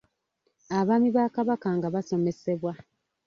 Abaami ba Kabaka nga basomesebwa.